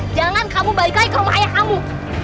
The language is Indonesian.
jangan kamu balik lagi ke rumah ayah kamu